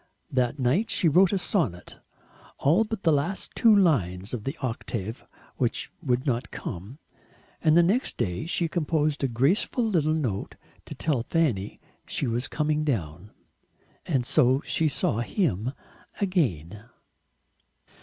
That night she wrote a sonnet, all but the last two lines of the octave which would not come, and the next day she composed a graceful little note to tell Fanny she was coming down. And so she saw him again.